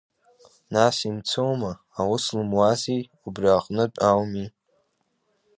Нас имцума, аус лымуази, убри аҟнытә ауми…